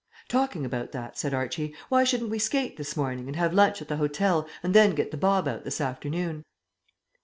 "Talking about that," said Archie, "why shouldn't we skate this morning, and have lunch at the hotel, and then get the bob out this afternoon?"